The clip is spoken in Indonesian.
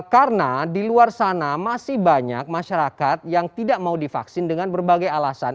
karena di luar sana masih banyak masyarakat yang tidak mau divaksin dengan berbagai alasan